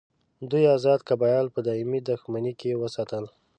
دوی آزاد قبایل په دایمي دښمني کې وساتل.